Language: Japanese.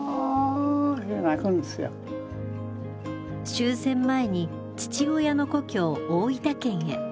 終戦前に父親の故郷大分県へ。